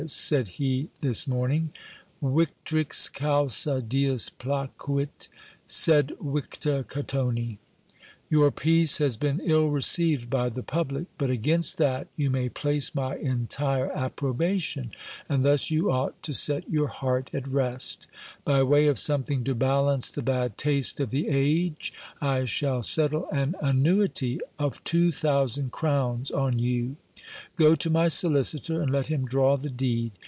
said he this morning ; Victrix causa Diis placuit, sed victa CatonL* Your piece has been ill received by the public ; but against that you may place my entire approbation ; and thus you ought to set your heart at rest. By way of something to balance the bad taste of the age, I shall settle an annuity of two thousand crowns on you : go to my solicitor, and let him draw the deed.